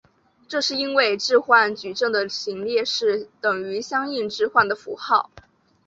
这是因为置换矩阵的行列式等于相应置换的符号。